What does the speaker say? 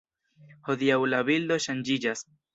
Hodiaŭ la bildo ŝanĝiĝas.